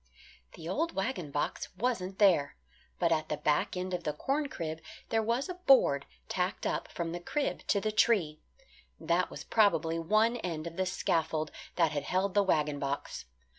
The old wagon box wasn't there. But at the back end of the corn crib there was a board tacked up from the crib to the tree. That was probably one end of the scaffold that had held the wagon box.